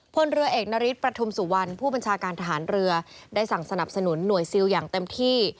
พลเรือเอกนฤทธิประทุมสุวรรณผู้บัญชาการทหารเรือได้สั่งสนับสนุนหน่วยซิลอย่างเต็มที่